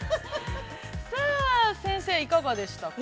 ◆さあ、先生いかがでしたか。